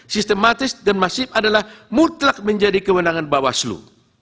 sistematis dan masif adalah mutlak menjadi kewenangan bawaslu